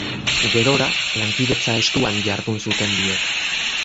Gerora, lankidetza estuan jardun zuten biek.